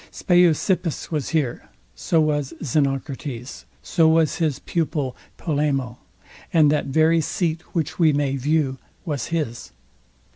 Speusippus was here; so was Xenocrates; so was his pupil, Polemo, and that very seat which we may view was his.